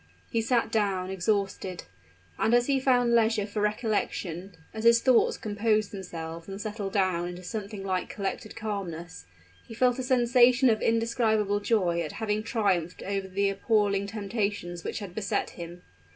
He sat down, exhausted; and as he found leisure for recollection as his thoughts composed themselves and settled down into something like collected calmness he felt a sensation of indescribable joy at having triumphed over the appalling temptations which had beset him.